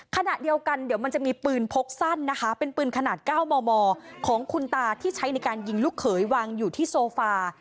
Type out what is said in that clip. ขณะเดียวกันเดี๋ยวมันจะมีปืนพกสั้นนะคะเป็นปืนขนาด๙มมของคุณตาที่ใช้ในการยิงลูกเขยวางอยู่ที่โซฟา